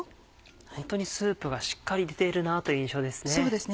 ホントにスープがしっかり出ているなという印象ですね。